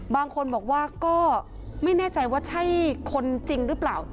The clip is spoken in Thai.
บางคนบอกว่าก็ไม่แน่ใจว่าใช่คนจริงหรือเปล่า